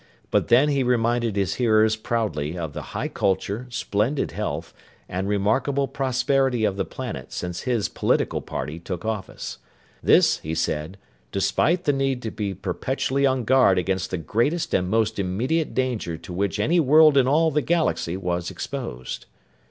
But then he reminded his hearers proudly of the high culture, splendid health, and remarkable prosperity of the planet since his political party took office. This, he said, despite the need to be perpetually on guard against the greatest and most immediate danger to which any world in all the galaxy was exposed.